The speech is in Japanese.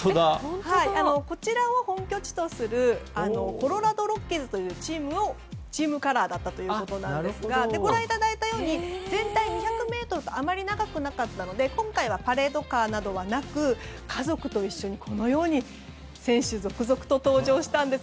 こちらを本拠地とするコロラド・ロッキーズのチームカラーということですがご覧いただいたように全体２００ｍとあまり長くなかったので今回はパレードカーなどはなく家族と一緒に選手が続々と登場したんです。